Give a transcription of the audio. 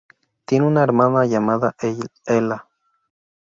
Tiene una hermana llamada Ella.